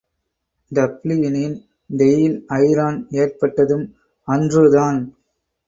டப்ளினின் Dail Eireann ஏற்பட்டதும் அன்றுதான்.